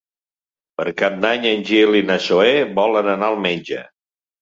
Per Cap d'Any en Gil i na Zoè volen anar al metge.